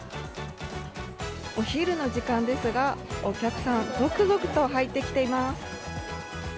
お昼の時間ですがお客さん、続々と入ってきています。